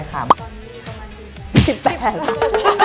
ตอนนี้มีกลมมันอยู่